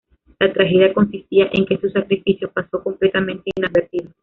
La tragedia consistía en que su sacrificio pasó completamente inadvertido".